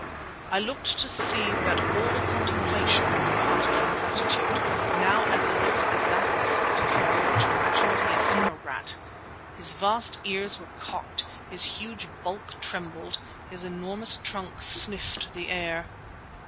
I looked to see that all the contemplation had departed from his attitude, now as alert as that of a fox terrier which imagines he has seen a rat. His vast ears were cocked, his huge bulk trembled, his enormous trunk sniffed the air.